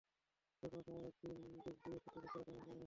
যে কোন সময় এ দিক দিয়ে শত্রুপক্ষের আক্রমণের সম্ভাবনা ছিল।